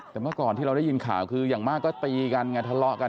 แต่เมื่อก่อนที่เราได้ยินข่าวคืออย่างมากก็ตีกันไงทะเลาะกัน